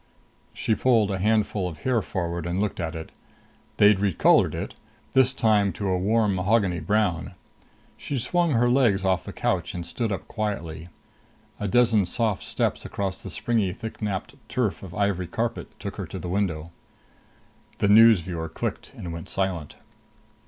She pulled a handful of hair forward and looked at it. They'd recolored it this time to a warm mahogany brown. She swung her legs off the couch and stood up quietly. A dozen soft steps across the springy thick napped turf of ivory carpet took her to the window. The news viewer clicked and went silent.